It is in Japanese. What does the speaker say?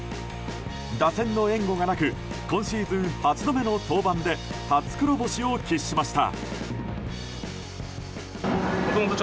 打線の援護がなく今シーズン８度目の登板で初黒星を喫しました。